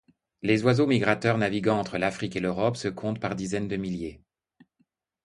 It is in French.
Les oiseaux migrateurs naviguant entre l'Afrique et l'Europe se comptent par dizaines de milliers.